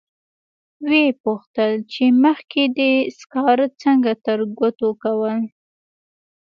و یې پوښتل چې مخکې دې سکاره څنګه ترګوتو کول.